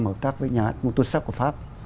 hợp tác với nhà hạt moutoussac của pháp